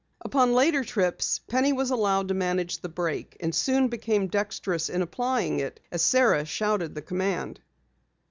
Upon later trips Penny was allowed to manage the brake, and soon became dexterous in applying it as Sara shouted the command.